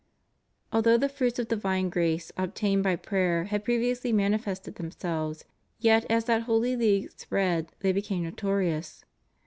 Although the fruits of divine grace obtained by prayer had previously manifested themselves, yet as that holy league spread they became notorious.